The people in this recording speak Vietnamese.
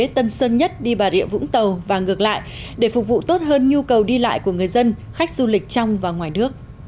tân sơn nhất đi bà rịa vũng tàu và ngược lại để phục vụ tốt hơn nhu cầu đi lại của người dân khách du lịch trong và ngoài nước